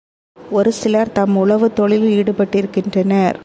ஒருசிலர் தாம் உழவுத் தொழிலில் ஈடுபட்டிருக்கின்றனர்.